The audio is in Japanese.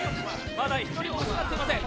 まだ１人も失っていません。